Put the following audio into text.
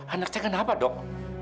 anak cek kan apa dok